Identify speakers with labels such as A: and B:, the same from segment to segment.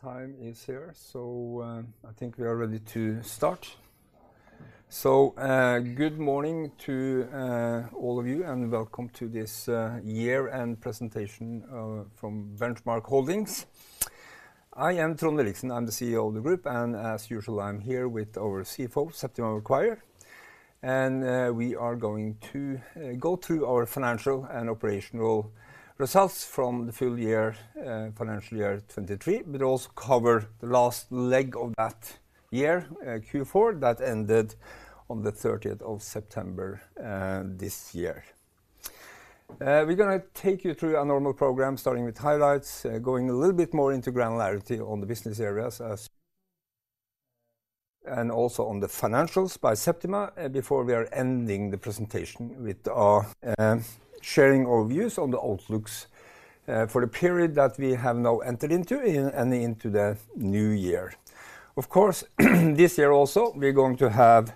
A: Time is here, so, I think we are ready to start. So, good morning to, all of you, and welcome to this, year-end presentation, from Benchmark Holdings. I am Trond Williksen. I'm the CEO of the group, and as usual, I'm here with our CFO, Septima Maguire. And, we are going to, go through our financial and operational results from the full year, financial year 2023, but also cover the last leg of that year, Q4, that ended on the thirtieth of September, this year. We're gonna take you through a normal program, starting with highlights, going a little bit more into granularity on the business areas as, and also on the financials by Septima, before we are ending the presentation with our sharing our views on the outlooks for the period that we have now entered into, and, and into the new year. Of course, this year also, we're going to have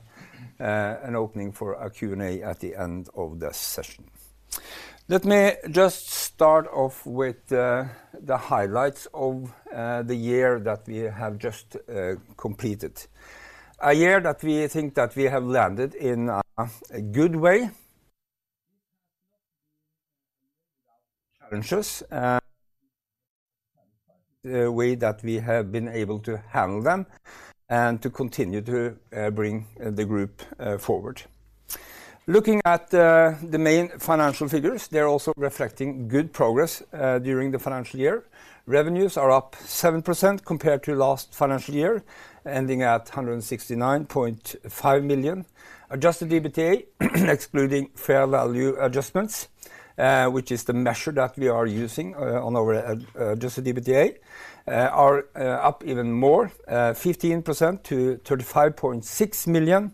A: an opening for a Q&A at the end of the session. Let me just start off with the highlights of the year that we have just completed. A year that we think that we have landed in a good way. Challenges, the way that we have been able to handle them and to continue to bring the group forward. Looking at the main financial figures, they're also reflecting good progress during the financial year. Revenues are up 7% compared to last financial year, ending at 169.5 million. Adjusted EBITDA, excluding fair value adjustments, which is the measure that we are using on our Adjusted EBITDA, are up even more 15% to 35.6 million,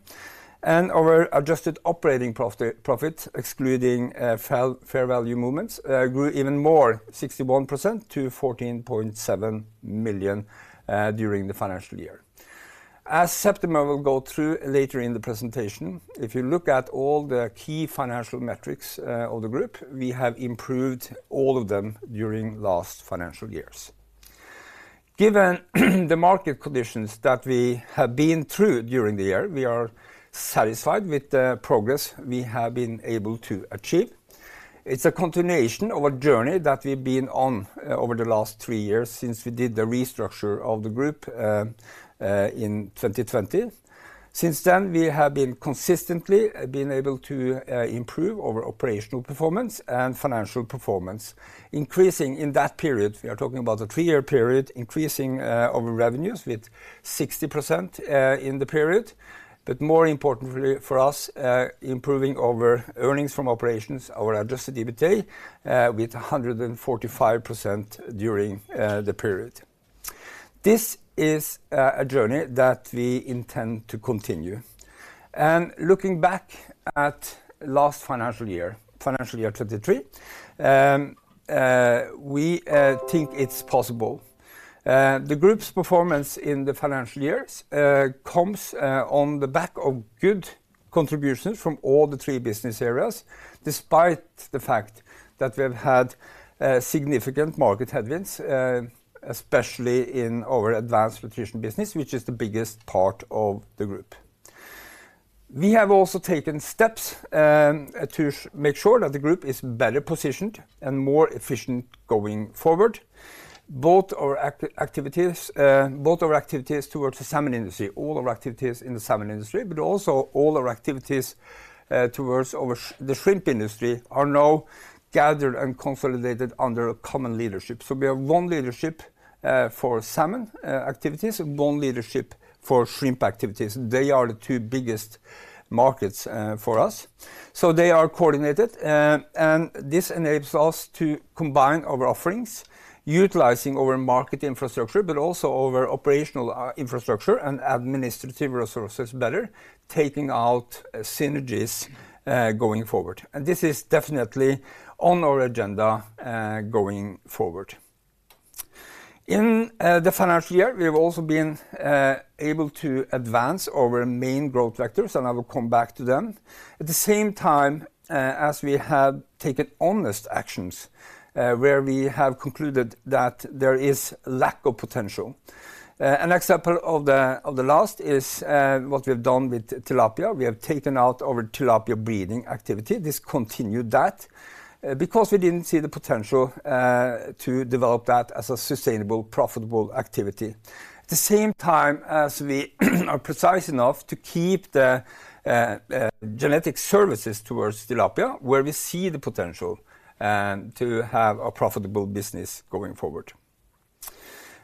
A: and our Adjusted Operating Profit, excluding fair value movements, grew even more 61% to 14.7 million during the financial year. As Septima will go through later in the presentation, if you look at all the key financial metrics of the group, we have improved all of them during last financial years. Given the market conditions that we have been through during the year, we are satisfied with the progress we have been able to achieve. It's a continuation of a journey that we've been on over the last three years since we did the restructure of the group in 2020. Since then, we have consistently been able to improve our operational performance and financial performance. We are talking about a three-year period, increasing our revenues with 60% in the period. But more importantly for us, improving our earnings from operations, our Adjusted EBITDA with 145% during the period. This is a journey that we intend to continue. And looking back at last financial year, financial year 2023, we think it's possible. The group's performance in the financial years comes on the back of good contributions from all the three business areas, despite the fact that we have had significant market headwinds, especially in our Advanced Nutrition business, which is the biggest part of the group. We have also taken steps to make sure that the group is better positioned and more efficient going forward. Both our activities towards the salmon industry, all our activities in the salmon industry, but also all our activities towards the shrimp industry, are now gathered and consolidated under a common leadership. So we have one leadership for salmon activities, and one leadership for shrimp activities. They are the two biggest markets for us. So they are coordinated, and this enables us to combine our offerings, utilizing our market infrastructure, but also our operational, infrastructure and administrative resources better, taking out synergies, going forward. And this is definitely on our agenda, going forward. In the financial year, we have also been able to advance our main growth vectors, and I will come back to them. At the same time, as we have taken honest actions, where we have concluded that there is lack of potential. An example of the last is what we have done with tilapia. We have taken out our tilapia breeding activity. This continued that, because we didn't see the potential to develop that as a sustainable, profitable activity. At the same time, as we are precise enough to keep the genetic services towards tilapia, where we see the potential to have a profitable business going forward.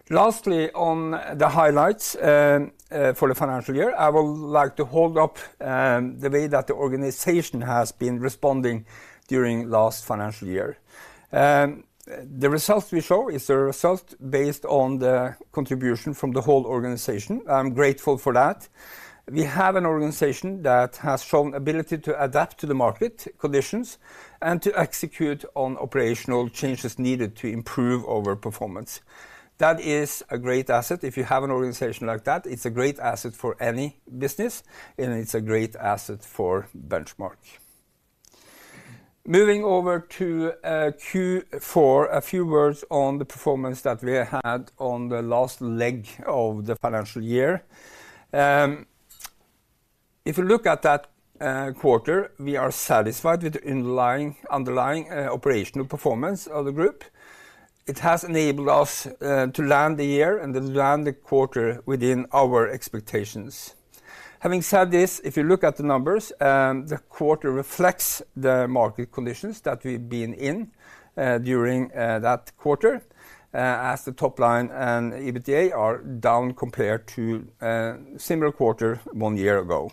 A: Lastly, on the highlights for the financial year, I would like to hold up the way that the organization has been responding during last financial year. The results we show is the result based on the contribution from the whole organization. I'm grateful for that. We have an organization that has shown ability to adapt to the market conditions and to execute on operational changes needed to improve our performance. That is a great asset. If you have an organization like that, it's a great asset for any business, and it's a great asset for Benchmark. Moving over to Q4, a few words on the performance that we had on the last leg of the financial year. If you look at that quarter, we are satisfied with the underlying operational performance of the group. It has enabled us to land the year and then land the quarter within our expectations. Having said this, if you look at the numbers, the quarter reflects the market conditions that we've been in during that quarter, as the top line and EBITDA are down compared to similar quarter one year ago.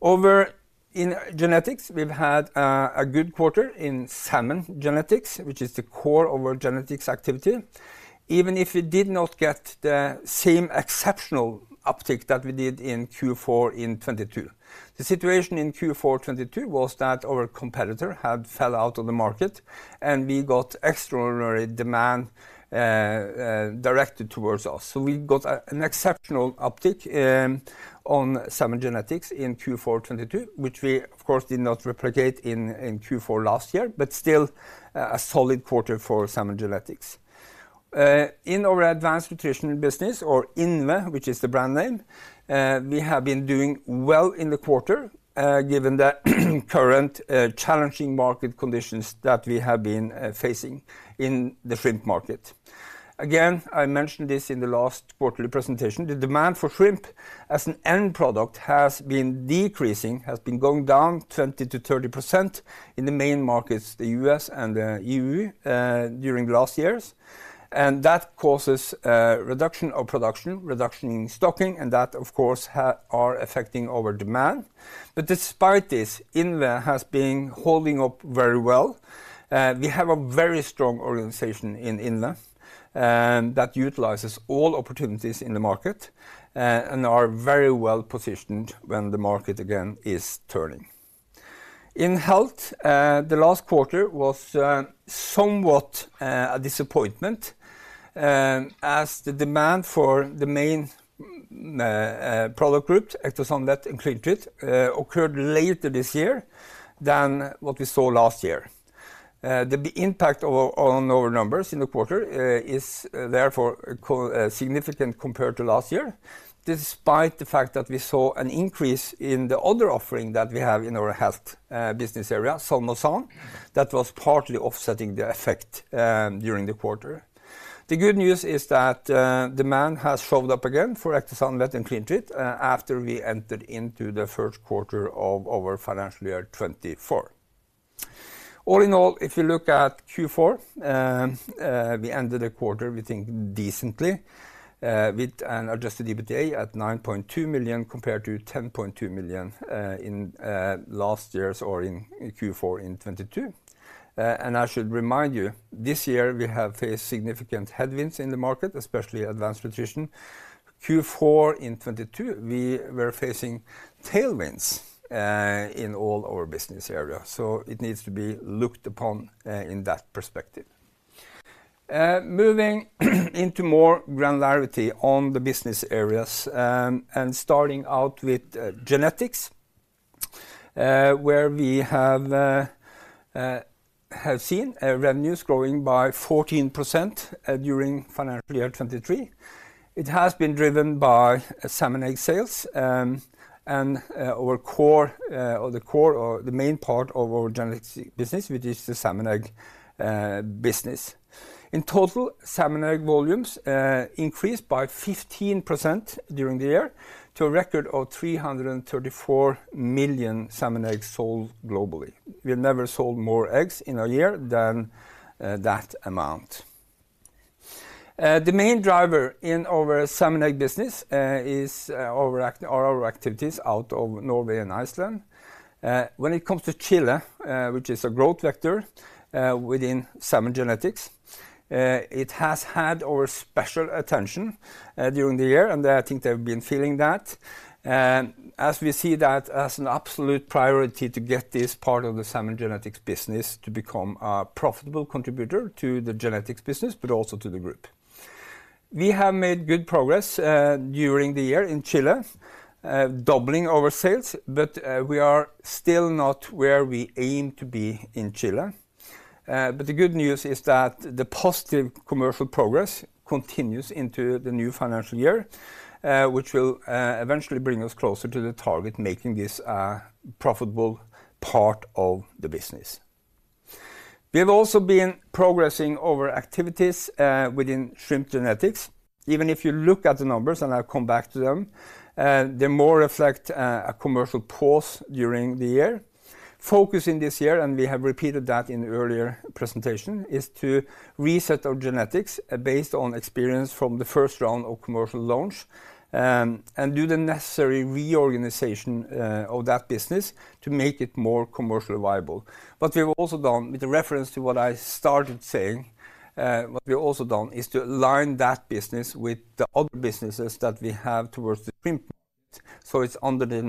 A: Over in Genetics, we've had a good quarter in salmon Genetics, which is the core of our Genetics activity, even if we did not get the same exceptional uptick that we did in Q4 in 2022. The situation in Q4 2022 was that our competitor had fell out of the market, and we got extraordinary demand, directed towards us. So we got an exceptional uptick on salmon Genetics in Q4 2022, which we, of course, did not replicate in Q4 last year, but still, a solid quarter for salmon Genetics. In our Advanced Nutritional business or INVE, which is the brand name, we have been doing well in the quarter, given the current challenging market conditions that we have been facing in the shrimp market. Again, I mentioned this in the last quarterly presentation, the demand for shrimp as an end product has been decreasing, has been going down 20%-30% in the main markets, the U.S. and the E.U., during last years. That causes reduction of production, reduction in stocking, and that, of course, are affecting our demand. But despite this, INVE has been holding up very well. We have a very strong organization in INVE that utilizes all opportunities in the market and are very well-positioned when the market again is turning. In Health, the last quarter was somewhat a disappointment as the demand for the main product group, Ectosan Vet and CleanTreat occurred later this year than what we saw last year. The impact on our numbers in the quarter is therefore significant compared to last year, despite the fact that we saw an increase in the other offering that we have in our Health business area, Salmosan, that was partly offsetting the effect during the quarter. The good news is that, demand has showed up again for Ectosan Vet and CleanTreat, after we entered into the first quarter of our financial year 2024. All in all, if you look at Q4, we ended the quarter, we think decently, with an Adjusted EBITDA at 9.2 million, compared to 10.2 million, in last year's or in Q4 in 2022. And I should remind you, this year, we have faced significant headwinds in the market, especially Advanced Nutrition. Q4 in 2022, we were facing tailwinds, in all our business areas, so it needs to be looked upon, in that perspective. Moving into more granularity on the business areas, and starting out with, Genetics, where we have seen, revenues growing by 14%, during financial year 2023. It has been driven by salmon egg sales, and our core, or the core or the main part of our Genetics business, which is the salmon egg business. In total, salmon egg volumes increased by 15% during the year to a record of 334 million salmon eggs sold globally. We have never sold more eggs in a year than that amount. The main driver in our salmon egg business is our activities out of Norway and Iceland. When it comes to Chile, which is a growth vector within salmon Genetics, it has had our special attention during the year, and I think they've been feeling that. As we see that as an absolute priority to get this part of the salmon Genetics business to become a profitable contributor to the Genetics business, but also to the group. We have made good progress during the year in Chile, doubling our sales, but we are still not where we aim to be in Chile. But the good news is that the positive commercial progress continues into the new financial year, which will eventually bring us closer to the target, making this a profitable part of the business. We have also been progressing our activities within shrimp Genetics. Even if you look at the numbers, and I'll come back to them, they more reflect a commercial pause during the year. Focusing this year, and we have repeated that in the earlier presentation, is to reset our Genetics based on experience from the first round of commercial launch, and do the necessary reorganization of that business to make it more commercially viable. But we've also done, with the reference to what I started saying, what we've also done is to align that business with the other businesses that we have towards the shrimp market. So it's under the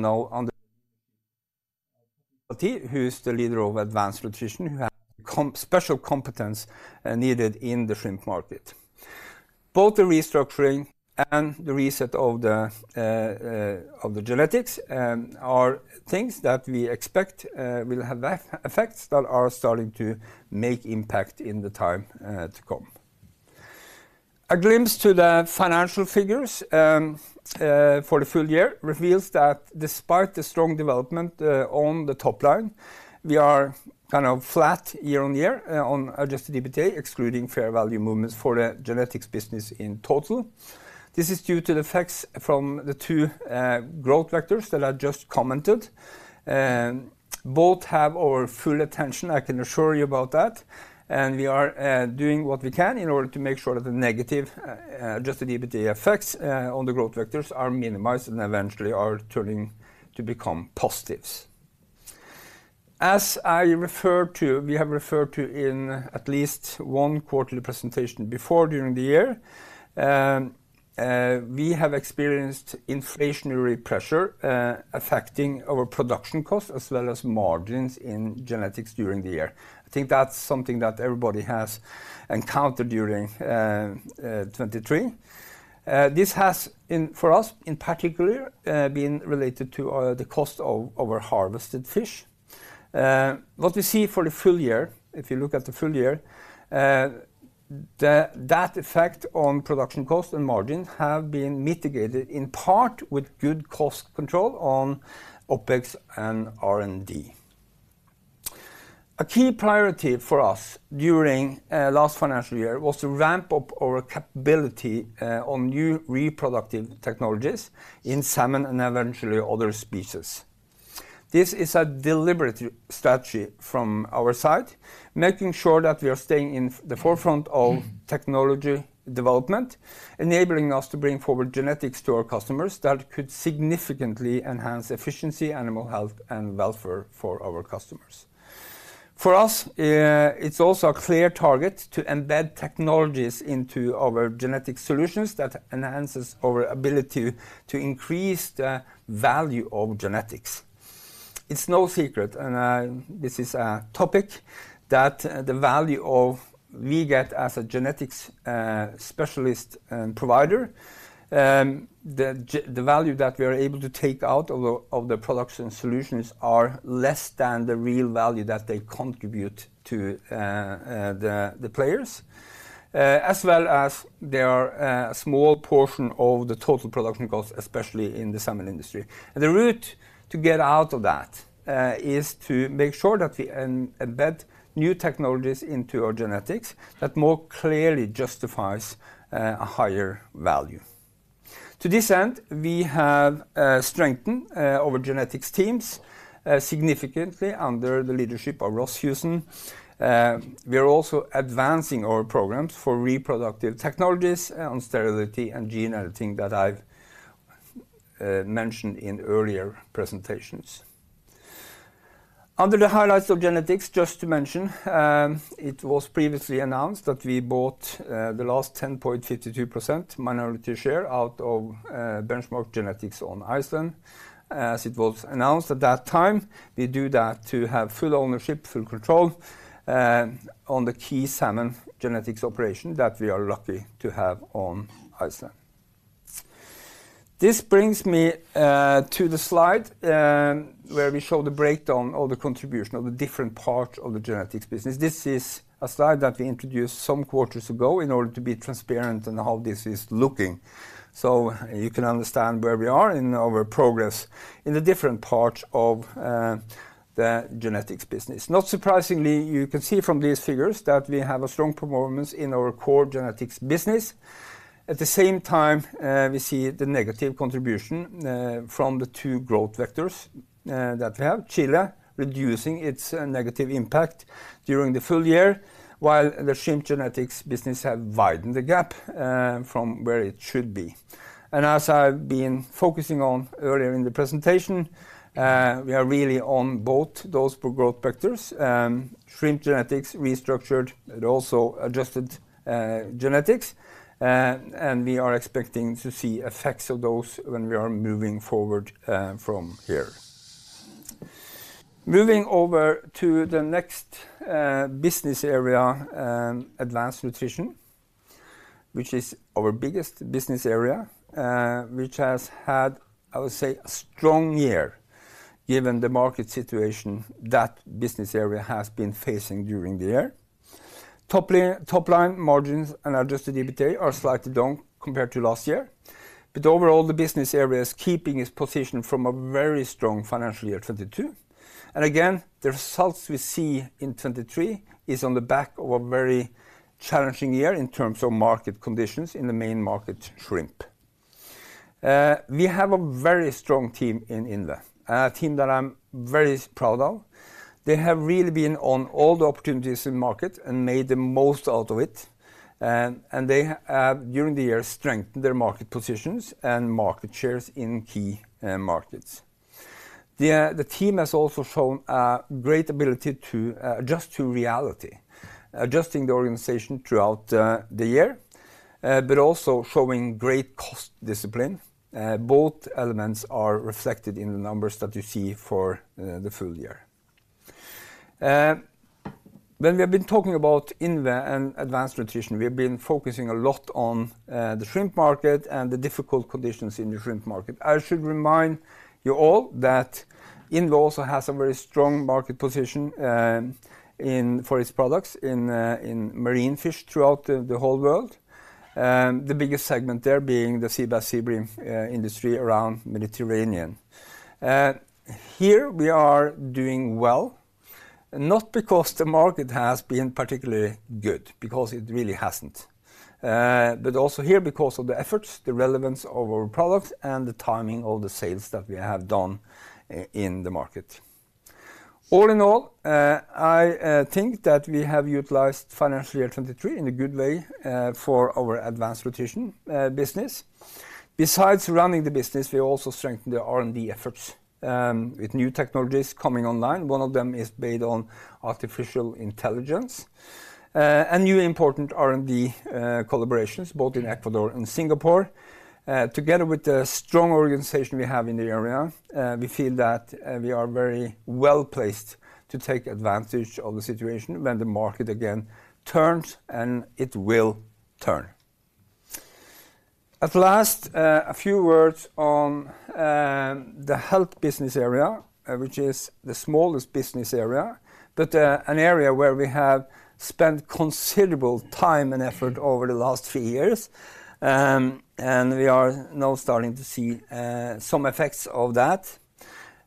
A: now under—who is the leader of Advanced Nutrition, who has special competence needed in the shrimp market. Both the restructuring and the reset of the of the Genetics are things that we expect will have effects that are starting to make impact in the time to come. A glimpse to the financial figures for the full year reveals that despite the strong development on the top line, we are kind of flat year-over-year on Adjusted EBITDA, excluding fair value movements for the Genetics business in total. This is due to the effects from the two growth vectors that I just commented. Both have our full attention, I can assure you about that, and we are doing what we can in order to make sure that the negative Adjusted EBITDA effects on the growth vectors are minimized and eventually are turning to become positives. As I referred to, we have referred to in at least one quarterly presentation before, during the year, we have experienced inflationary pressure affecting our production costs, as well as margins in Genetics during the year. I think that's something that everybody has encountered during 2023. This has, for us, in particular, been related to the cost of our harvested fish. What we see for the full year, if you look at the full year, that effect on production costs and margins have been mitigated, in part with good cost control on OpEx and R&D. A key priority for us during last financial year was to ramp up our capability on new reproductive technologies in salmon and eventually other species. This is a deliberate strategy from our side, making sure that we are staying in the forefront of technology development, enabling us to bring forward Genetics to our customers that could significantly enhance efficiency, animal health, and welfare for our customers. For us, it's also a clear target to embed technologies into our genetic solutions that enhances our ability to increase the value of Genetics. It's no secret, and, this is a topic that, the value of we get as a Genetics, specialist and provider, the value that we are able to take out of the, of the products and solutions are less than the real value that they contribute to, the, the players. As well as they are a, a small portion of the total production costs, especially in the salmon industry. The route to get out of that, is to make sure that we embed new technologies into our Genetics that more clearly justifies, a higher value. To this end, we have, strengthened, our Genetics teams, significantly under the leadership of Ross Houston. We are also advancing our programs for reproductive technologies on sterility and gene editing that I've mentioned in earlier presentations. Under the highlights of Genetics, just to mention, it was previously announced that we bought the last 10.52% minority share out of Benchmark Genetics on Iceland. As it was announced at that time, we do that to have full ownership, full control, on the key salmon Genetics operation that we are lucky to have on Iceland. This brings me to the slide, where we show the breakdown of the contribution of the different parts of the Genetics business. This is a slide that we introduced some quarters ago in order to be transparent in how this is looking. So you can understand where we are in our progress in the different parts of the Genetics business. Not surprisingly, you can see from these figures that we have a strong performance in our core Genetics business. At the same time, we see the negative contribution from the two growth vectors that we have. Chile, reducing its negative impact during the full year, while the shrimp Genetics business have widened the gap from where it should be. And as I've been focusing on earlier in the presentation, we are really on both those pro-growth vectors, shrimp Genetics, restructured, but also adjusted Genetics. And we are expecting to see effects of those when we are moving forward from here. Moving over to the next business area, Advanced Nutrition, which is our biggest business area, which has had, I would say, a strong year, given the market situation that business area has been facing during the year. Top line, top line margins and Adjusted EBITDA are slightly down compared to last year, but overall, the business area is keeping its position from a very strong financial year, 2022. And again, the results we see in 2023 is on the back of a very challenging year in terms of market conditions in the main market, shrimp. We have a very strong team in INVE, a team that I'm very proud of. They have really been on all the opportunities in market and made the most out of it. And they have, during the year, strengthened their market positions and market shares in key markets. The team has also shown a great ability to adjust to reality, adjusting the organization throughout the year, but also showing great cost discipline. Both elements are reflected in the numbers that you see for the full year. When we have been talking about INVE and Advanced Nutrition, we have been focusing a lot on the shrimp market and the difficult conditions in the shrimp market. I should remind you all that INVE also has a very strong market position for its products in marine fish throughout the whole world. The biggest segment there being the sea bass, sea bream industry around Mediterranean. Here we are doing well, not because the market has been particularly good, because it really hasn't. But also here, because of the efforts, the relevance of our products, and the timing of the sales that we have done in the market. All in all, I think that we have utilized financial year 2023 in a good way for our Advanced Nutrition business. Besides running the business, we also strengthened the R&D efforts with new technologies coming online. One of them is based on artificial intelligence. And new important R&D collaborations, both in Ecuador and Singapore. Together with the strong organization we have in the area, we feel that we are very well-placed to take advantage of the situation when the market again turns, and it will turn. At last, a few words on the Health business area, which is the smallest business area, but an area where we have spent considerable time and effort over the last three years. And we are now starting to see some effects of that.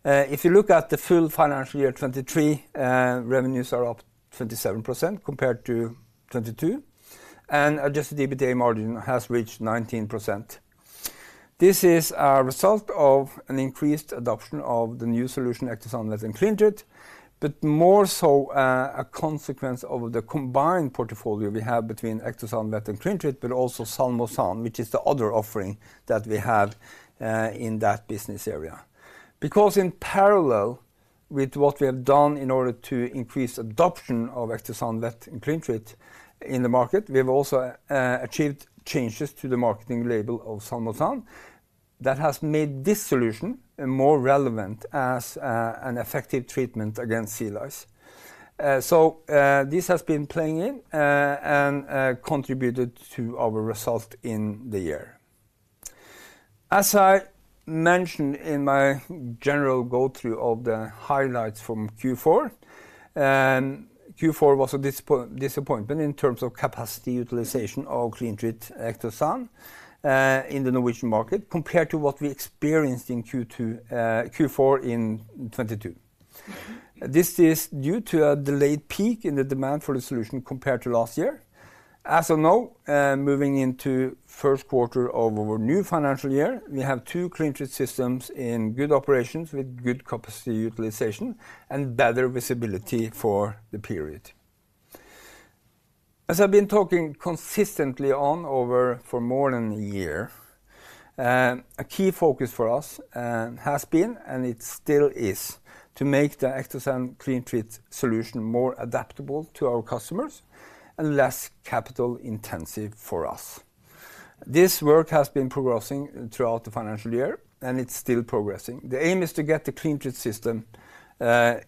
A: If you look at the full financial year 2023, revenues are up 27% compared to 2022, and Adjusted EBITDA margin has reached 19%. This is a result of an increased adoption of the new solution, Ectosan Vet and CleanTreat, but more so, a consequence of the combined portfolio we have between Ectosan Vet and CleanTreat, but also Salmosan, which is the other offering that we have in that business area. Because in parallel with what we have done in order to increase adoption of Ectosan Vet and CleanTreat in the market, we have also achieved changes to the marketing label of Salmosan that has made this solution more relevant as an effective treatment against sea lice. So, this has been playing in and contributed to our result in the year. As I mentioned in my general go-through of the highlights from Q4, Q4 was a disappointment in terms of capacity utilization of CleanTreat Ectosan in the Norwegian market, compared to what we experienced in Q2, Q4 in 2022. This is due to a delayed peak in the demand for the solution compared to last year. As of now, moving into first quarter of our new financial year, we have two CleanTreat systems in good operations with good capacity utilization and better visibility for the period. As I've been talking consistently on over for more than a year, a key focus for us has been, and it still is, to make the Ectosan CleanTreat solution more adaptable to our customers and less capital intensive for us. This work has been progressing throughout the financial year, and it's still progressing. The aim is to get the CleanTreat system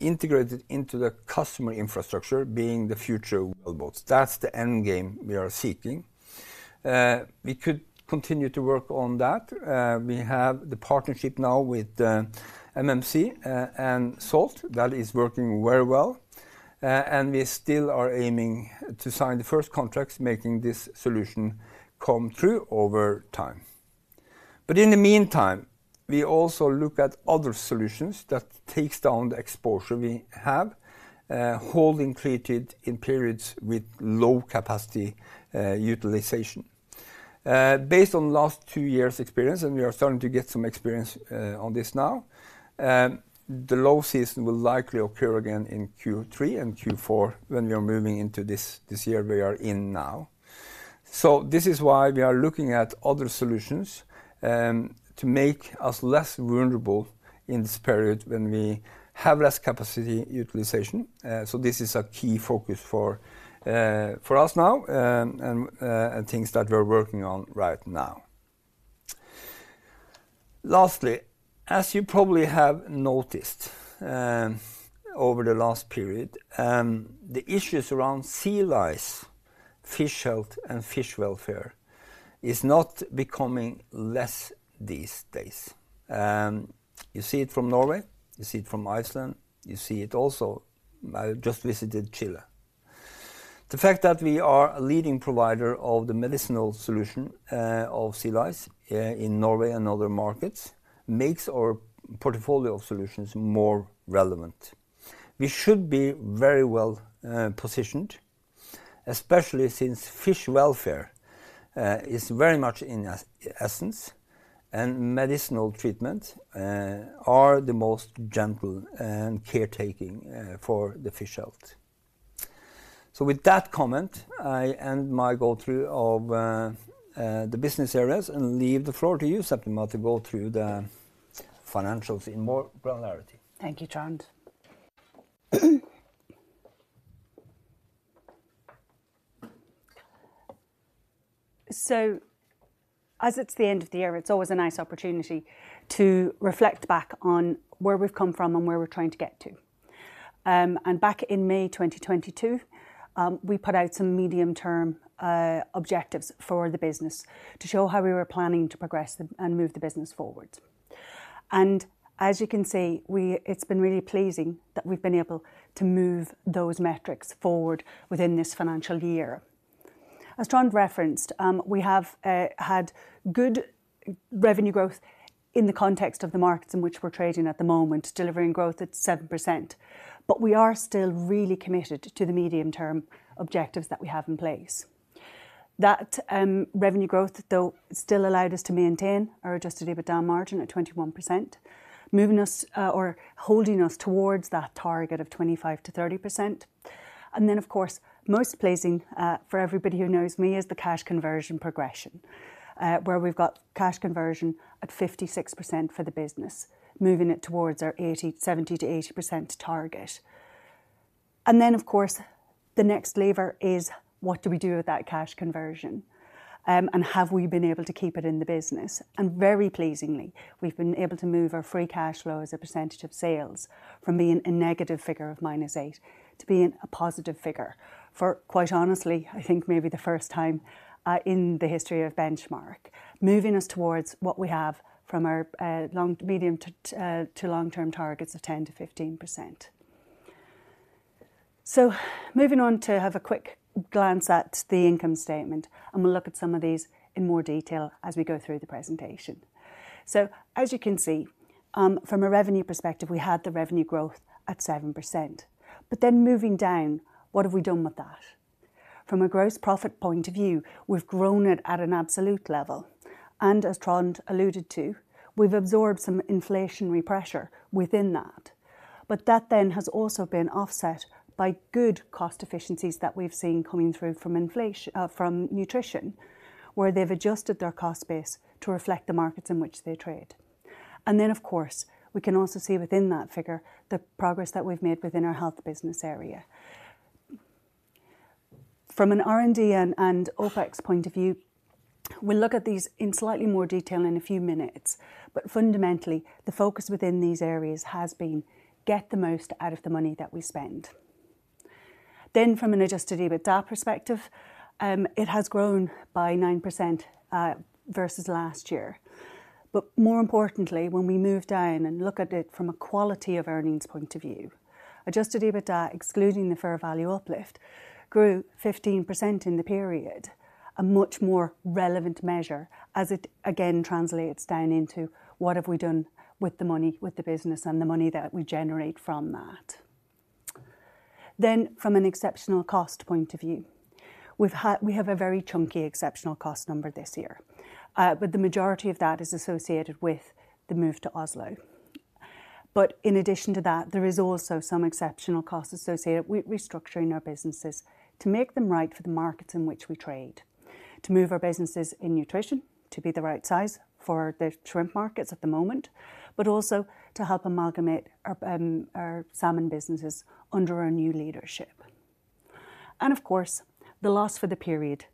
A: integrated into the customer infrastructure, being the future wellboats. That's the end game we are seeking. We could continue to work on that. We have the partnership now with MMC and Salt. That is working very well, and we still are aiming to sign the first contracts, making this solution come true over time. But in the meantime, we also look at other solutions that takes down the exposure we have, holding CleanTreat in periods with low capacity utilization. Based on last two years' experience, and we are starting to get some experience on this now, the low season will likely occur again in Q3 and Q4 when we are moving into this, this year we are in now. So this is why we are looking at other solutions, to make us less vulnerable in this period when we have less capacity utilization. So this is a key focus for us now, and things that we're working on right now. Lastly, as you probably have noticed, over the last period, the issues around sea lice, fish health, and fish welfare is not becoming less these days. You see it from Norway, you see it from Iceland, you see it also... I just visited Chile. The fact that we are a leading provider of the medicinal solution, of sea lice, in Norway and other markets, makes our portfolio of solutions more relevant. We should be very well positioned, especially since fish welfare is very much in essence, and medicinal treatment are the most gentle and caretaking for the fish health. So with that comment, I end my go-through of the business areas and leave the floor to you, Septima, to go through the financials in more granularity.
B: Thank you, Trond. So as it's the end of the year, it's always a nice opportunity to reflect back on where we've come from and where we're trying to get to. Back in May 2022, we put out some medium-term objectives for the business to show how we were planning to progress and move the business forward. As you can see, it's been really pleasing that we've been able to move those metrics forward within this financial year. As Trond referenced, we have had good revenue growth in the context of the markets in which we're trading at the moment, delivering growth at 7%, but we are still really committed to the medium-term objectives that we have in place. That revenue growth, though, still allowed us to maintain our Adjusted EBITDA margin at 21%, moving us, or holding us towards that target of 25%-30%. And then, of course, most pleasing for everybody who knows me, is the cash conversion progression, where we've got cash conversion at 56% for the business, moving it towards our 70%-80% target. And then, of course, the next lever is: what do we do with that cash conversion? And have we been able to keep it in the business? And very pleasingly, we've been able to move our free cash flow as a percentage of sales from being a negative figure of -8% to being a positive figure for, quite honestly, I think maybe the first time, in the history of Benchmark. Moving us towards what we have from our medium- to long-term targets of 10%-15%. So moving on to have a quick glance at the income statement, and we'll look at some of these in more detail as we go through the presentation. So as you can see, from a revenue perspective, we had the revenue growth at 7%. But then moving down, what have we done with that? From a gross profit point of view, we've grown it at an absolute level, and as Trond alluded to, we've absorbed some inflationary pressure within that. But that then has also been offset by good cost efficiencies that we've seen coming through from inflation, from nutrition, where they've adjusted their cost base to reflect the markets in which they trade. Then, of course, we can also see within that figure, the progress that we've made within our Health business area. From an R&D and OpEx point of view, we'll look at these in slightly more detail in a few minutes, but fundamentally, the focus within these areas has been: get the most out of the money that we spend. From an Adjusted EBITDA perspective, it has grown by 9%, versus last year. But more importantly, when we move down and look at it from a quality of earnings point of view, Adjusted EBITDA, excluding the fair value uplift, grew 15% in the period, a much more relevant measure as it again translates down into what have we done with the money, with the business and the money that we generate from that. Then from an exceptional cost point of view, we have a very chunky exceptional cost number this year, but the majority of that is associated with the move to Oslo. But in addition to that, there is also some exceptional costs associated with restructuring our businesses to make them right for the markets in which we trade, to move our businesses in nutrition to be the right size for the shrimp markets at the moment, but also to help amalgamate our our salmon businesses under our new leadership. And of course, the loss for the period,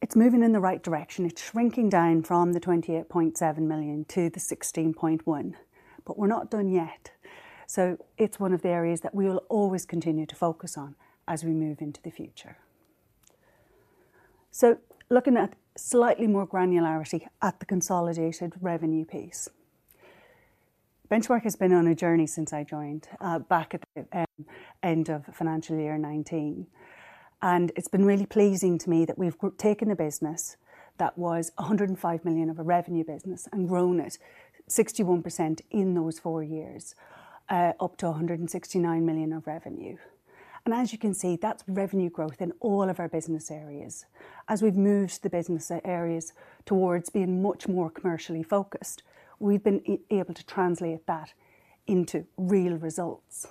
B: it's moving in the right direction. It's shrinking down from 28.7 million-16.1 million, but we're not done yet. So it's one of the areas that we will always continue to focus on as we move into the future. So looking at slightly more granularity at the consolidated revenue piece. Benchmark has been on a journey since I joined back at the end of financial year 2019, and it's been really pleasing to me that we've taken a business that was a 105 million of a revenue business and grown it 61% in those four years up to a 169 million of revenue. And as you can see, that's revenue growth in all of our business areas. As we've moved the business areas towards being much more commercially focused, we've been able to translate that into real results.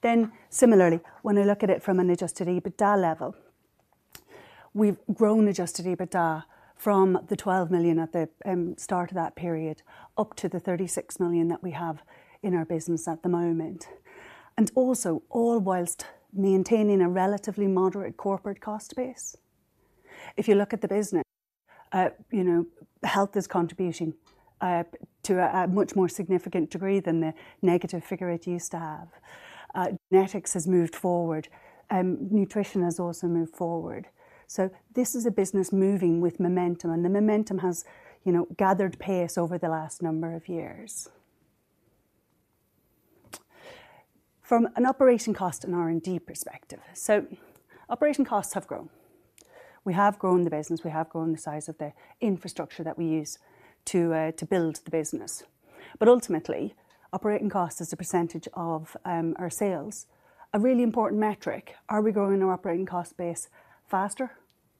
B: Then similarly, when I look at it from an Adjusted EBITDA level, we've grown Adjusted EBITDA from the 12 million at the start of that period, up to the 36 million that we have in our business at the moment, and also all whilst maintaining a relatively moderate corporate cost base. If you look at the business, you know, health is contributing to a much more significant degree than the negative figure it used to have. Genetics has moved forward, nutrition has also moved forward. So this is a business moving with momentum, and the momentum has, you know, gathered pace over the last number of years. From an operating cost and R&D perspective. So operating costs have grown. We have grown the business, we have grown the size of the infrastructure that we use to build the business. But ultimately, operating cost is a percentage of our sales, a really important metric. Are we growing our operating cost base faster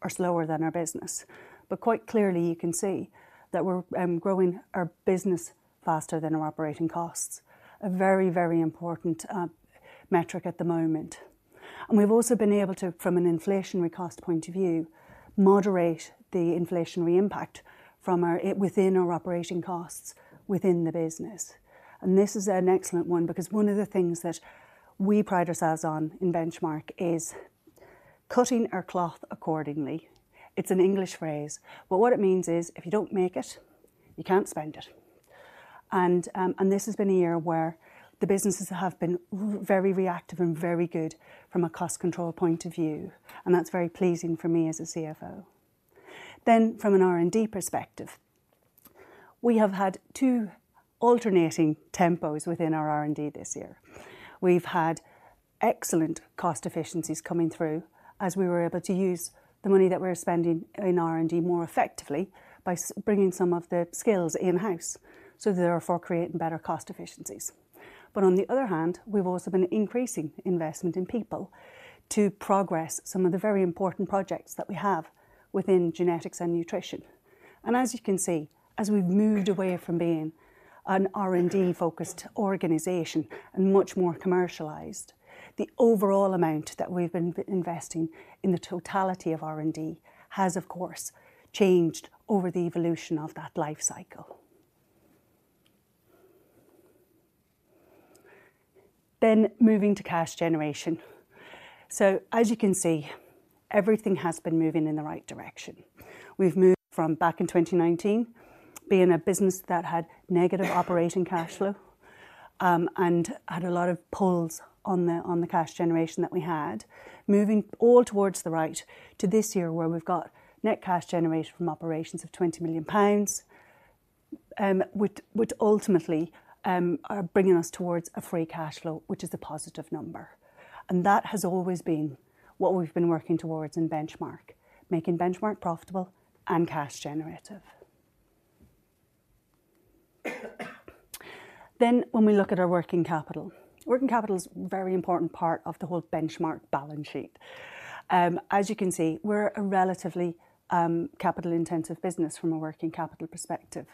B: or slower than our business? But quite clearly, you can see that we're growing our business faster than our operating costs. A very, very important metric at the moment. And we've also been able to, from an inflationary cost point of view, moderate the inflationary impact within our operating costs within the business. And this is an excellent one, because one of the things that we pride ourselves on in Benchmark is cutting our cloth accordingly, it's an English phrase, but what it means is, if you don't make it, you can't spend it. This has been a year where the businesses have been very reactive and very good from a cost control point of view, and that's very pleasing for me as a CFO. Then, from an R&D perspective, we have had two alternating tempos within our R&D this year. We've had excellent cost efficiencies coming through, as we were able to use the money that we're spending in R&D more effectively by bringing some of the skills in-house, so therefore creating better cost efficiencies. But on the other hand, we've also been increasing investment in people to progress some of the very important projects that we have within Genetics and nutrition. As you can see, as we've moved away from being an R&D-focused organization and much more commercialized, the overall amount that we've been investing in the totality of R&D has, of course, changed over the evolution of that life cycle. Moving to cash generation. As you can see, everything has been moving in the right direction. We've moved from back in 2019, being a business that had negative operating cash flow, and had a lot of pulls on the cash generation that we had. Moving all towards the right to this year, where we've got net cash generation from operations of 20 million pounds, which ultimately are bringing us towards a free cash flow, which is a positive number. That has always been what we've been working towards in Benchmark, making Benchmark profitable and cash generative. Then, when we look at our working capital. Working capital is a very important part of the whole Benchmark balance sheet. As you can see, we're a relatively capital-intensive business from a working capital perspective.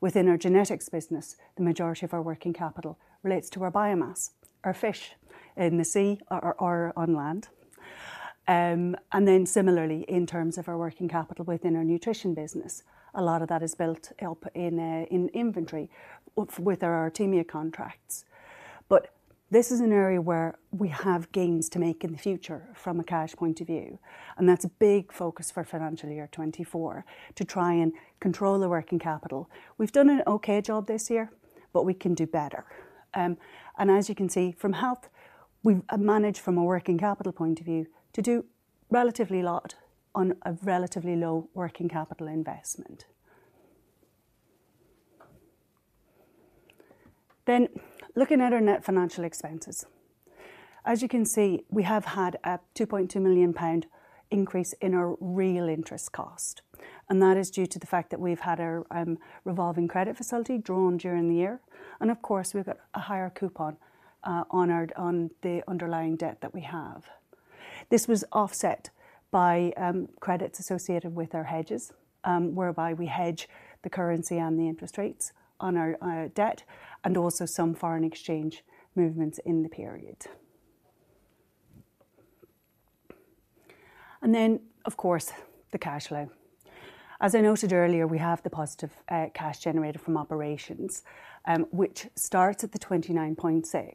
B: Within our Genetics business, the majority of our working capital relates to our biomass, our fish in the sea or on land. And then similarly, in terms of our working capital within our nutrition business, a lot of that is built up in inventory with our Artemia contracts. But this is an area where we have gains to make in the future from a cash point of view, and that's a big focus for financial year 2024, to try and control the working capital. We've done an okay job this year, but we can do better. And as you can see, from health, we've managed from a working capital point of view to do relatively a lot on a relatively low working capital investment. Then, looking at our net financial expenses. As you can see, we have had a 2.2 million pound increase in our real interest cost, and that is due to the fact that we've had our revolving credit facility drawn during the year, and of course, we've got a higher coupon on our underlying debt that we have. This was offset by credits associated with our hedges, whereby we hedge the currency and the interest rates on our debt, and also some foreign exchange movements in the period. And then, of course, the cash flow. As I noted earlier, we have the positive cash generated from operations, which starts at the 29.6 million,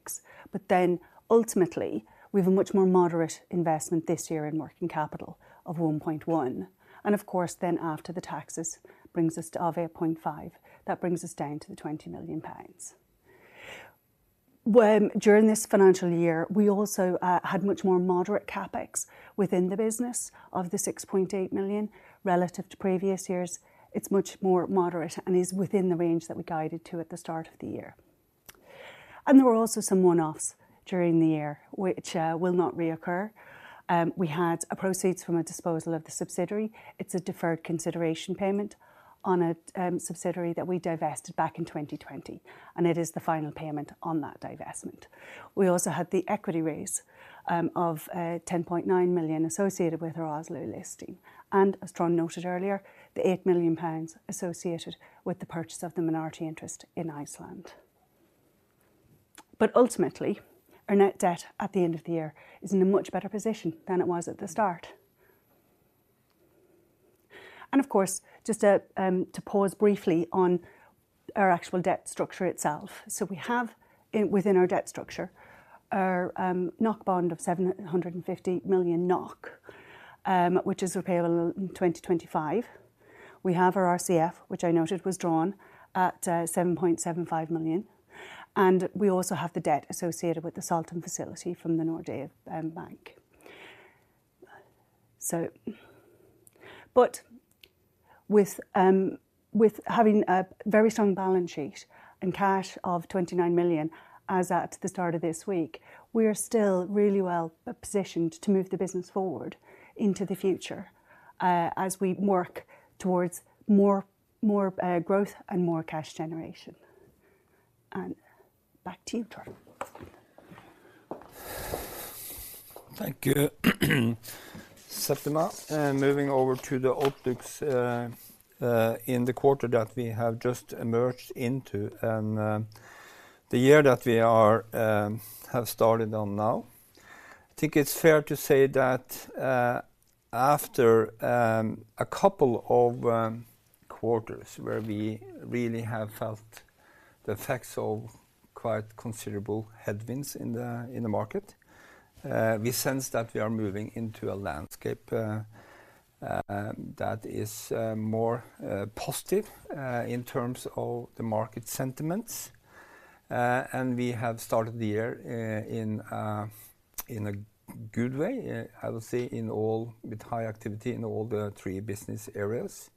B: but then ultimately, we have a much more moderate investment this year in working capital of 1.1 million. And of course, then after the taxes, brings us to of 8.5 million, that brings us down to the 20 million pounds. During this financial year, we also had much more moderate CapEx within the business of the 6.8 million relative to previous years. It's much more moderate and is within the range that we guided to at the start of the year. And there were also some one-offs during the year, which will not reoccur. We had a proceeds from a disposal of the subsidiary. It's a deferred consideration payment on a subsidiary that we divested back in 2020, and it is the final payment on that divestment. We also had the equity raise of 10.9 million associated with our Oslo listing, and as Trond noted earlier, the 8 million pounds associated with the purchase of the minority interest in Iceland. But ultimately, our net debt at the end of the year is in a much better position than it was at the start. And of course, just to pause briefly on our actual debt structure itself. So we have within our debt structure, our NOK bond of 750 million NOK, which is repayable in 2025. We have our RCF, which I noted was drawn at 7.75 million, and we also have the debt associated with the Salten facility from the Nordea bank. So, but with having a very strong balance sheet and cash of 29 million, as at the start of this week, we are still really well positioned to move the business forward into the future, as we work towards more, more growth and more cash generation. Back to you, Trond.
A: Thank you, Septima. Moving over to the optics, in the quarter that we have just emerged into, and the year that we are, have started on now. I think it's fair to say that, after a couple of quarters where we really have felt the effects of quite considerable headwinds in the market. We sense that we are moving into a landscape that is more positive in terms of the market sentiments. And we have started the year in a good way. I will say with high activity in all the three business areas.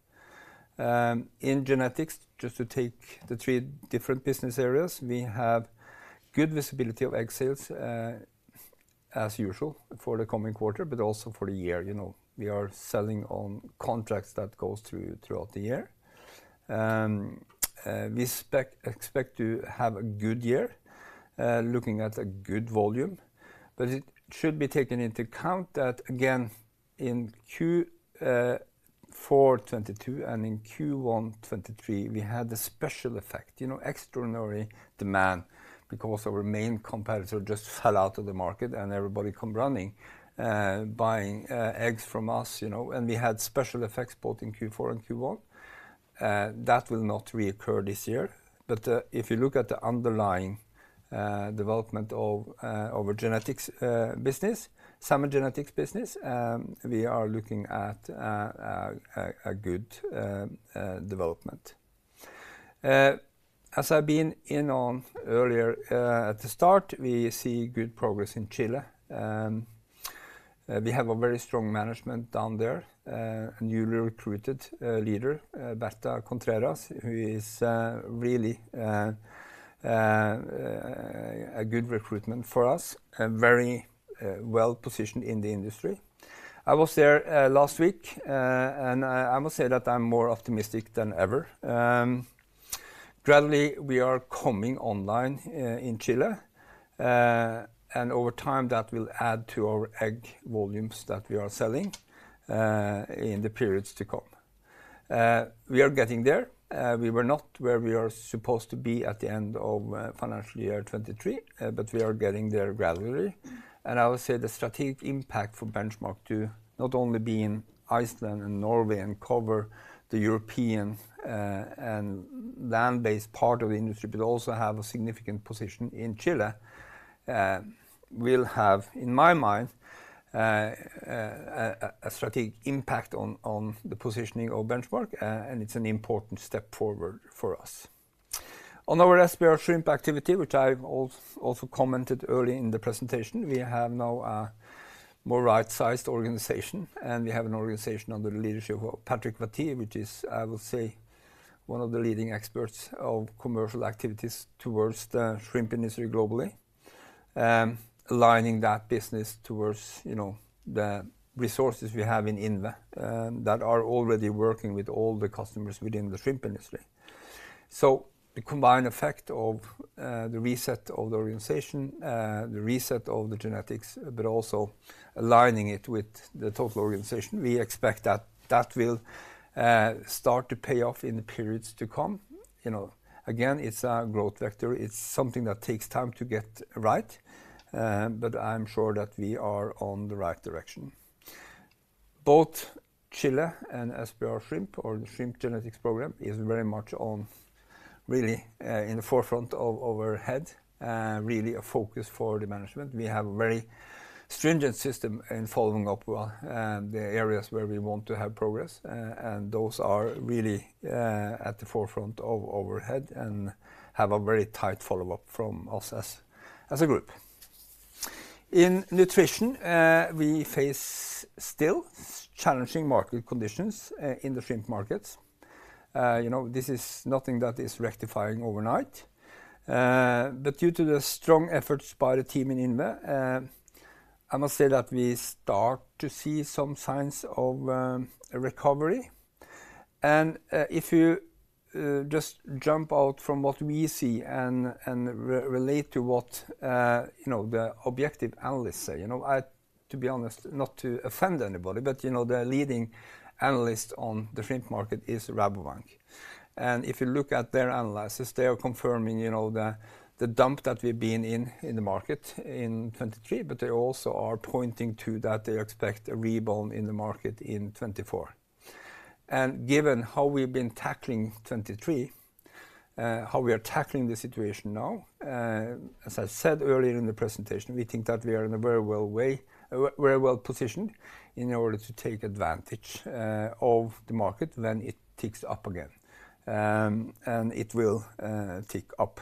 A: In Genetics, just to take the three different business areas, we have good visibility of egg sales, as usual, for the coming quarter, but also for the year. You know, we are selling on contracts that goes through throughout the year. We expect to have a good year, looking at a good volume, but it should be taken into account that, again, in Q4 2022 and in Q1 2023, we had a special effect, you know, extraordinary demand, because our main competitor just fell out of the market, and everybody come running, buying eggs from us, you know? And we had special effects both in Q4 and Q1. That will not reoccur this year. But if you look at the underlying development of our Genetics business, salmon Genetics business, we are looking at a good development. As I've been in on earlier, at the start, we see good progress in Chile. We have a very strong management down there, a newly recruited leader, Berta Contreras, who is really a good recruitment for us, and very well-positioned in the industry. I was there last week, and I must say that I'm more optimistic than ever. Gradually, we are coming online in Chile, and over time, that will add to our egg volumes that we are selling in the periods to come. We are getting there. We were not where we are supposed to be at the end of financial year 2023, but we are getting there gradually. I would say the strategic impact for Benchmark to not only be in Iceland and Norway and cover the European and land-based part of the industry, but also have a significant position in Chile will have, in my mind, a strategic impact on the positioning of Benchmark, and it's an important step forward for us. On our SPR shrimp activity, which I've also commented early in the presentation, we have now a more right-sized organization, and we have an organization under the leadership of Patrick Waty, which is, I will say, one of the leading experts of commercial activities towards the shrimp industry globally. Aligning that business towards, you know, the resources we have in INVE that are already working with all the customers within the shrimp industry. So the combined effect of the reset of the organization, the reset of the Genetics, but also aligning it with the total organization, we expect that that will start to pay off in the periods to come. You know, again, it's a growth vector. It's something that takes time to get right, but I'm sure that we are on the right direction. Both Chile and SPR shrimp or the shrimp Genetics program is very much on really in the forefront of our head, really a focus for the management. We have a very stringent system in following up well the areas where we want to have progress, and those are really at the forefront of our head and have a very tight follow-up from us as a group. In nutrition, we face still challenging market conditions in the shrimp markets. You know, this is nothing that is rectifying overnight. But due to the strong efforts by the team in INVE, I must say that we start to see some signs of a recovery. And if you just jump out from what we see and relate to what you know, the objective analysts say, you know, I... To be honest, not to offend anybody, but you know, the leading analyst on the shrimp market is Rabobank. And if you look at their analysis, they are confirming you know, the dump that we've been in, in the market in 2023, but they also are pointing to that they expect a rebound in the market in 2024. Given how we've been tackling 2023, how we are tackling the situation now, as I said earlier in the presentation, we think that we are very well positioned in order to take advantage of the market when it ticks up again. And it will tick up.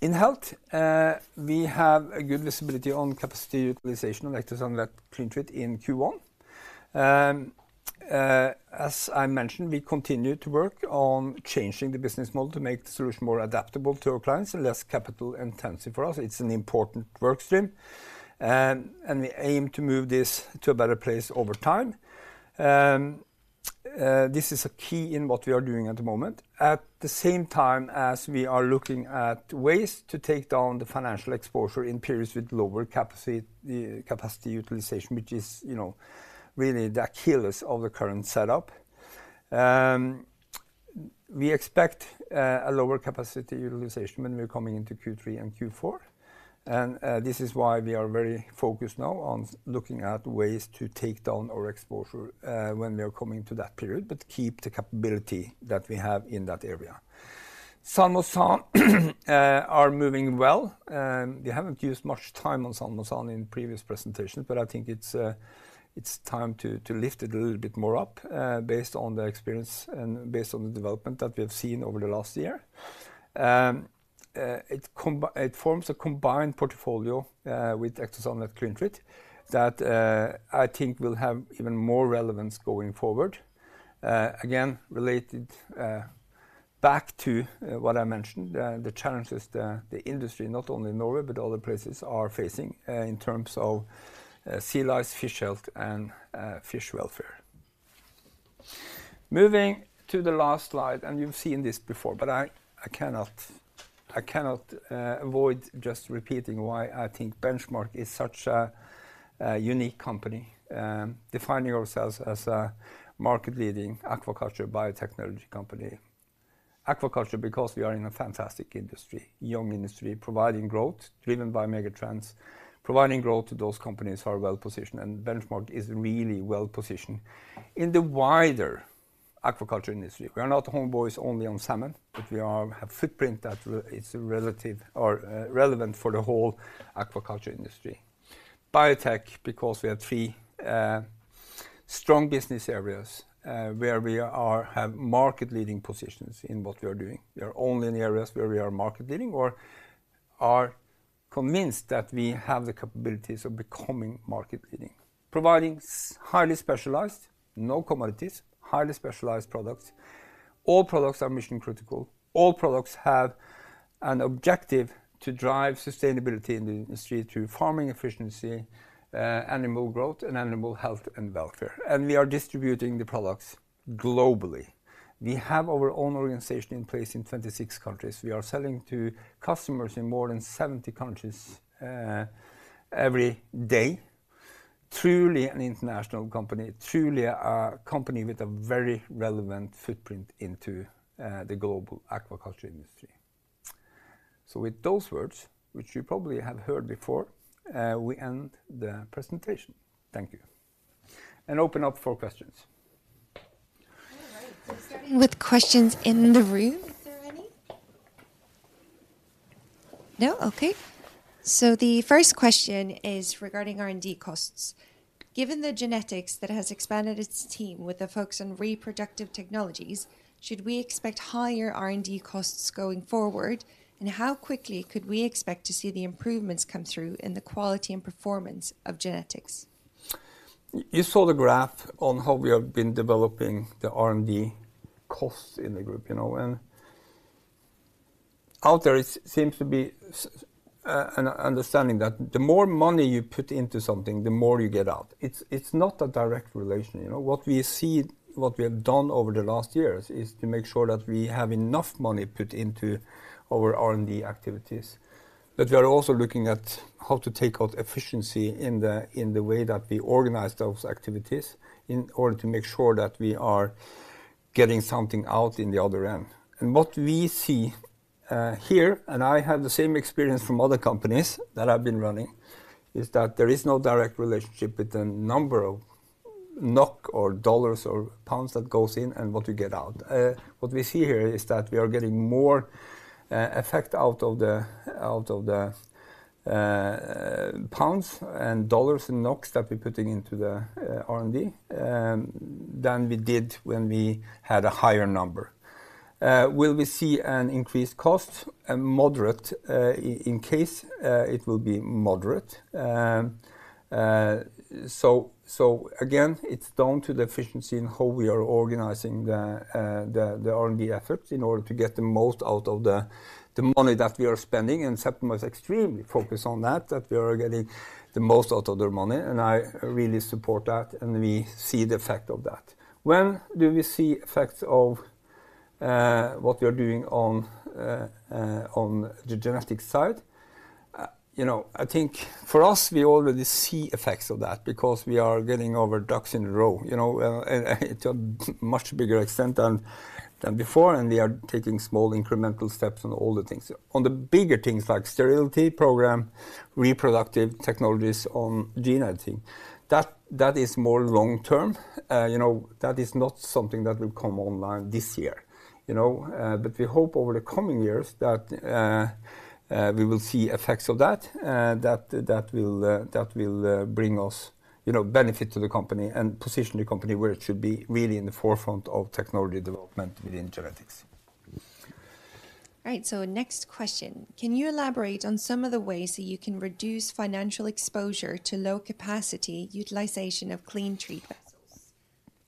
A: In Health, we have a good visibility on capacity utilization of Ectosan and CleanTreat in Q1. As I mentioned, we continue to work on changing the business model to make the solution more adaptable to our clients and less capital-intensive for us. It's an important work stream. And we aim to move this to a better place over time. This is a key in what we are doing at the moment. At the same time, as we are looking at ways to take down the financial exposure in periods with lower capacity, capacity utilization, which is, you know, really the Achilles of the current setup. We expect a lower capacity utilization when we're coming into Q3 and Q4. And this is why we are very focused now on looking at ways to take down our exposure when we are coming to that period, but keep the capability that we have in that area. Salmosan are moving well. We haven't used much time on Salmosan in previous presentations, but I think it's time to lift it a little bit more up based on the experience and based on the development that we have seen over the last year. It forms a combined portfolio with Ectosan and CleanTreat that I think will have even more relevance going forward. Again, related back to what I mentioned, the challenges the industry, not only in Norway, but other places are facing in terms of sea lice, fish health, and fish welfare. Moving to the last slide, and you've seen this before, but I cannot avoid just repeating why I think Benchmark is such a unique company. Defining ourselves as a market-leading aquaculture biotechnology company. Aquaculture, because we are in a fantastic industry, young industry, providing growth driven by mega trends, providing growth to those companies who are well-positioned, and Benchmark is really well-positioned. In the wider aquaculture industry, we are not homeboys only on salmon, but we have footprint that it's relative or relevant for the whole aquaculture industry. Biotech, because we have three strong business areas where we have market leading positions in what we are doing. We are only in the areas where we are market leading or are convinced that we have the capabilities of becoming market leading. Providing highly specialized, no commodities, highly specialized products. All products are mission critical. All products have an objective to drive sustainability in the industry through farming efficiency, animal growth, and animal health and welfare. We are distributing the products globally. We have our own organization in place in 26 countries. We are selling to customers in more than 70 countries every day. Truly an international company. Truly a company with a very relevant footprint into the global aquaculture industry. So with those words, which you probably have heard before, we end the presentation. Thank you, and open up for questions.
C: All right. So starting with questions in the room, is there any? No. Okay. So the first question is regarding R&D costs. Given the Genetics that has expanded its team with a focus on reproductive technologies, should we expect higher R&D costs going forward? And how quickly could we expect to see the improvements come through in the quality and performance of Genetics?
A: You saw the graph on how we have been developing the R&D costs in the group, you know, and out there, it seems to be an understanding that the more money you put into something, the more you get out. It's, it's not a direct relation, you know? What we see, what we have done over the last years is to make sure that we have enough money put into our R&D activities. But we are also looking at how to take out efficiency in the, in the way that we organize those activities, in order to make sure that we are getting something out in the other end. What we see here, and I have the same experience from other companies that I've been running, is that there is no direct relationship with the number of NOK or dollars or pounds that goes in and what you get out. What we see here is that we are getting more effect out of the pounds and dollars and NOKs that we're putting into the R&D than we did when we had a higher number. Will we see an increased cost? A moderate in case, it will be moderate. So again, it's down to the efficiency in how we are organizing the R&D efforts in order to get the most out of the money that we are spending, and Septima is extremely focused on that we are getting the most out of their money, and I really support that, and we see the effect of that. When do we see effects of what we are doing on the genetic side? You know, I think for us, we already see effects of that because we are getting our ducks in a row, you know, and to a much bigger extent than before, and we are taking small incremental steps on all the things. On the bigger things like sterility program, Reproductive Technologies on Gene Editing, that is more long term. You know, that is not something that will come online this year, you know, but we hope over the coming years that we will see effects of that that will bring us, you know, benefit to the company and position the company where it should be really in the forefront of technology development within Genetics.
C: All right, so next question. Can you elaborate on some of the ways that you can reduce financial exposure to low capacity utilization of CleanTreat vessels?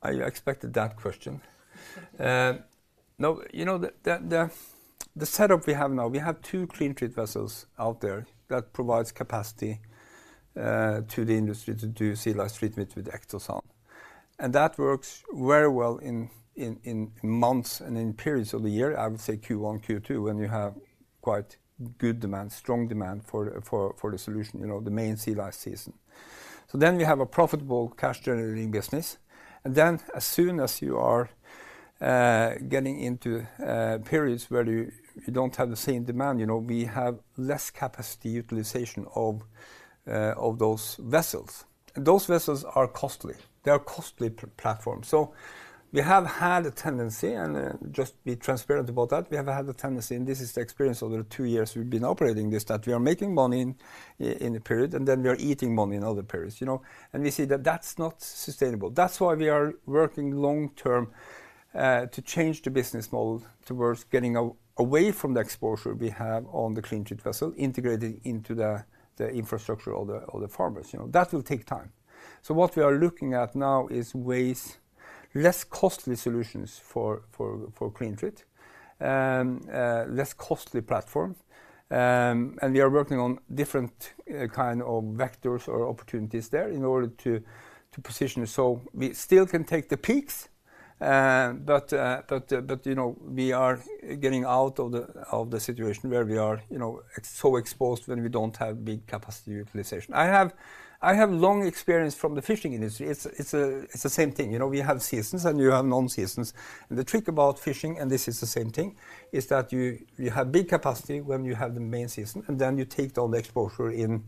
A: I expected that question. No, you know, the setup we have now, we have two CleanTreat vessels out there that provides capacity to the industry to do sea lice treatment with Ectosan. And that works very well in months and in periods of the year, I would say Q1, Q2, when you have quite good demand, strong demand for the solution, you know, the main sea lice season. So then we have a profitable cash-generating business, and then as soon as you are getting into periods where you don't have the same demand, you know, we have less capacity utilization of those vessels. And those vessels are costly. They are costly platforms. So we have had a tendency, and just be transparent about that, we have had the tendency, and this is the experience over the two years we've been operating this, that we are making money in a period, and then we are eating money in other periods, you know? And we see that that's not sustainable. That's why we are working long-term to change the business model towards getting away from the exposure we have on the CleanTreat vessel, integrating into the infrastructure of the farmers, you know. That will take time. So what we are looking at now is ways, less costly solutions for CleanTreat, less costly platforms. And we are working on different kind of vectors or opportunities there in order to position so we still can take the peaks, but you know, we are getting out of the situation where we are, you know, ex-so exposed when we don't have big capacity utilization. I have long experience from the fishing industry. It's the same thing, you know. We have seasons, and you have non-seasons, and the trick about fishing, and this is the same thing, is that you have big capacity when you have the main season, and then you take down the exposure in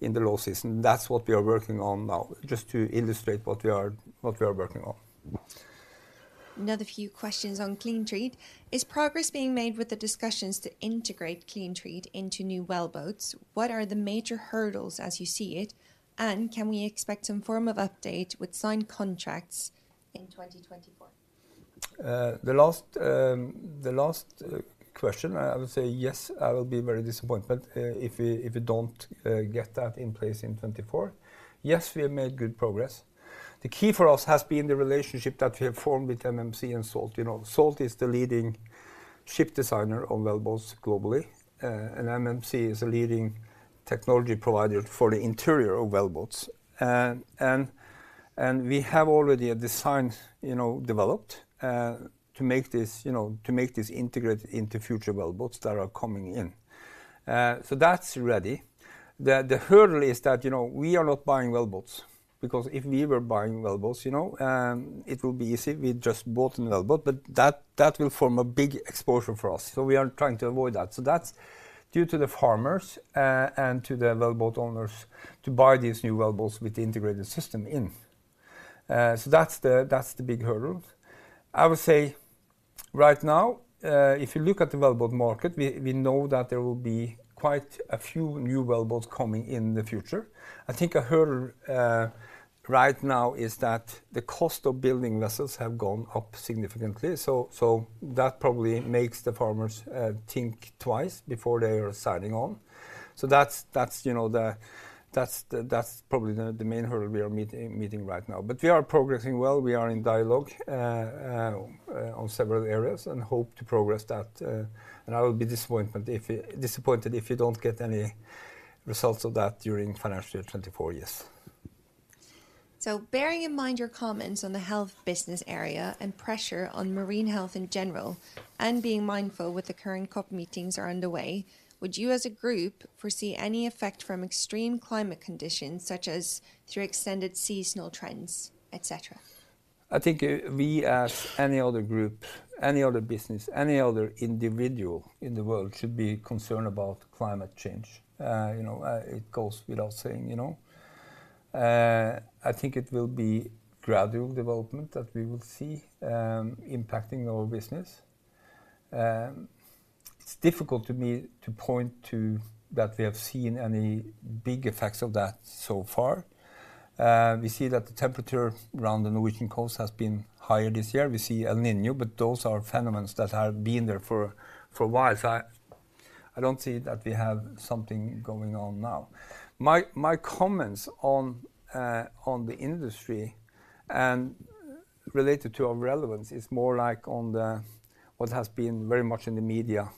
A: the low season. That's what we are working on now, just to illustrate what we are working on.
C: Another few questions on CleanTreat. Is progress being made with the discussions to integrate CleanTreat into new wellboats? What are the major hurdles as you see it, and can we expect some form of update with signed contracts in 2024?
A: The last question, I would say yes, I will be very disappointed if we don't get that in place in 2024. Yes, we have made good progress. The key for us has been the relationship that we have formed with MMC and Salt. You know, Salt is the leading ship designer on wellboats globally, and MMC is a leading technology provider for the interior of wellboats. And we have already a design, you know, developed to make this, you know, to make this integrated into future wellboats that are coming in. So that's ready. The hurdle is that, you know, we are not buying wellboats, because if we were buying wellboats, you know, it would be easy. We just bought a wellboat. But that will form a big exposure for us, so we are trying to avoid that. So that's due to the farmers and to the wellboat owners to buy these new wellboats with the integrated system in. So that's the big hurdle. I would say, right now, if you look at the wellboat market, we know that there will be quite a few new wellboats coming in the future. I think a hurdle right now is that the cost of building vessels have gone up significantly, so that probably makes the farmers think twice before they are signing on. So that's, you know, the... That's probably the main hurdle we are meeting right now. But we are progressing well. We are in dialogue on several areas and hope to progress that, and I will be disappointed if we don't get any results of that during financial year 2024, yes.
C: Bearing in mind your comments on the health business area and pressure on marine health in general, and being mindful with the current COP meetings are underway, would you, as a group, foresee any effect from extreme climate conditions, such as through extended seasonal trends, etc?
A: I think we, as any other group, any other business, any other individual in the world, should be concerned about climate change. You know, it goes without saying, you know? I think it will be gradual development that we will see impacting our business. It's difficult to me to point to that we have seen any big effects of that so far. We see that the temperature around the Norwegian coast has been higher this year. We see El Niño, but those are phenomena that have been there for a while. So I don't see that we have something going on now. My comments on the industry and related to our relevance is more like on the what has been very much in the media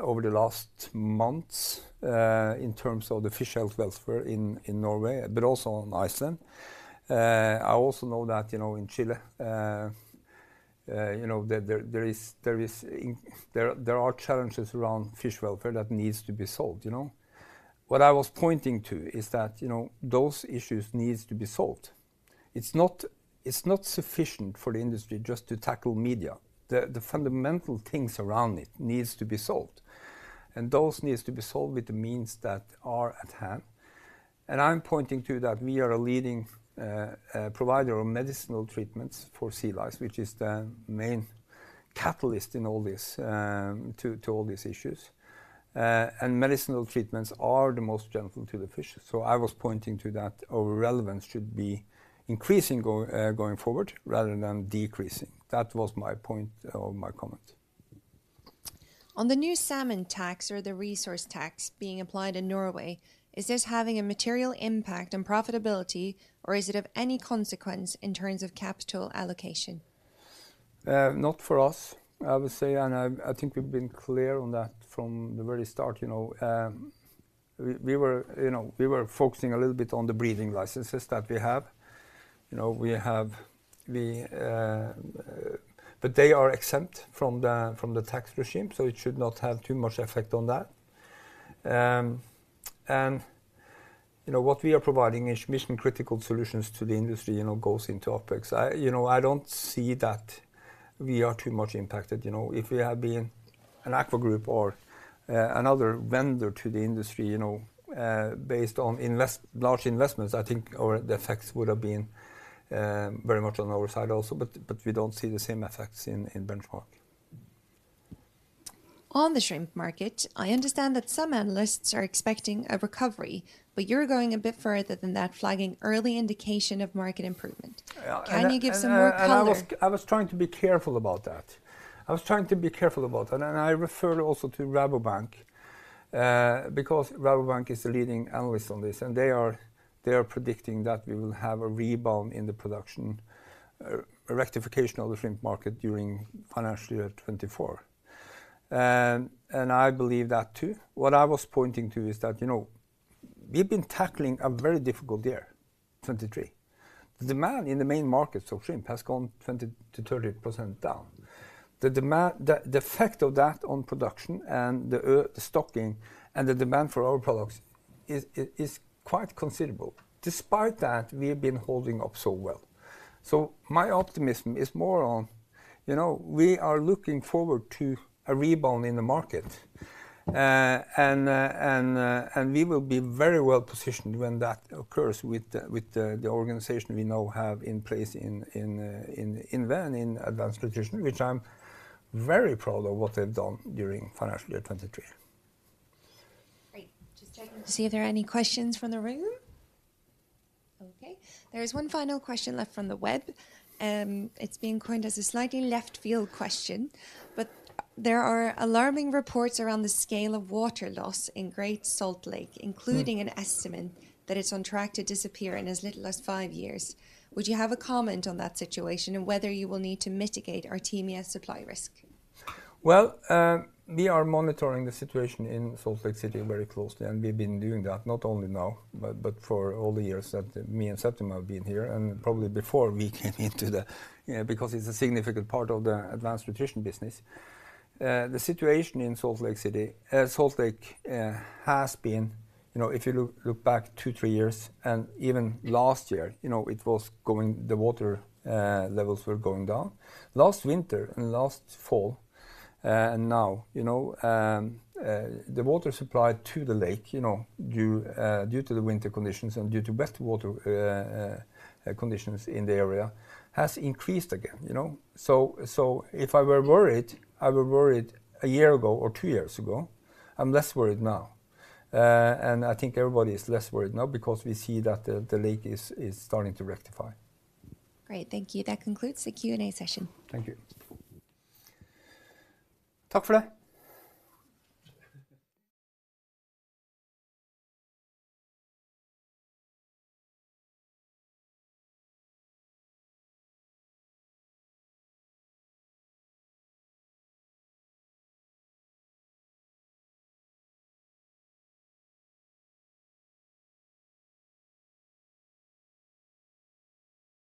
A: over the last months in terms of the fish health welfare in Norway, but also on Iceland. I also know that, you know, in Chile, you know, there are challenges around fish welfare that needs to be solved, you know? What I was pointing to is that, you know, those issues needs to be solved. It's not, it's not sufficient for the industry just to tackle media. The fundamental things around it needs to be solved, and those needs to be solved with the means that are at hand. I'm pointing to that we are a leading provider of medicinal treatments for sea lice, which is the main catalyst in all this, to all these issues. And medicinal treatments are the most gentle to the fishes. So I was pointing to that our relevance should be increasing going forward rather than decreasing. That was my point of my comment.
C: On the new salmon tax or the resource tax being applied in Norway, is this having a material impact on profitability, or is it of any consequence in terms of capital allocation?
A: Not for us, I would say, and I think we've been clear on that from the very start, you know. We were focusing a little bit on the breeding licenses that we have, you know. You know, but they are exempt from the tax regime, so it should not have too much effect on that. And, you know, what we are providing is mission-critical solutions to the industry, you know, goes into OpEx. You know, I don't see that we are too much impacted, you know. If we had been an AKVA Group or another vendor to the industry, you know, based on large investments, I think the effects would have been very much on our side also, but we don't see the same effects in Benchmark.
C: On the shrimp market, I understand that some analysts are expecting a recovery, but you're going a bit further than that, flagging early indication of market improvement.
A: Yeah, and, and-
C: Can you give some more color?
A: And I was trying to be careful about that. I was trying to be careful about that, and I refer also to Rabobank, because Rabobank is the leading analyst on this, and they are predicting that we will have a rebound in the production, a rectification of the shrimp market during financial year 2024. And I believe that, too. What I was pointing to is that, you know, we've been tackling a very difficult year, 2023. The demand in the main markets of shrimp has gone 20%-30% down. The effect of that on production and the stocking and the demand for our products is quite considerable. Despite that, we have been holding up so well. So my optimism is more on, you know, we are looking forward to a rebound in the market. We will be very well positioned when that occurs with the organization we now have in place in INVE, in Advanced Nutrition, which I'm very proud of what they've done during financial year 2023.
C: Great. Just checking to see if there are any questions from the room. Okay, there is one final question left from the web, it's being coined as a slightly left field question, but there are alarming reports around the scale of water loss in Great Salt Lake including an estimate that it's on track to disappear in as little as five years. Would you have a comment on that situation, and whether you will need to mitigate Artemia supply risk?
A: Well, we are monitoring the situation in Salt Lake City very closely, and we've been doing that not only now, but for all the years that me and Septima have been here, and probably before we came into the. Yeah, because it's a significant part of the advanced nutrition business. The situation in Salt Lake City, Salt Lake, has been. You know, if you look back two, three years, and even last year, you know, it was going. The water levels were going down. Last winter and last fall, and now, you know, the water supply to the lake, you know, due to the winter conditions and due to best water conditions in the area, has increased again, you know? So, if I were worried, I were worried a year ago or two years ago. I'm less worried now. And I think everybody is less worried now because we see that the lake is starting to rectify.
C: Great, thank you. That concludes the Q&A session.
A: Thank you. Talk for that?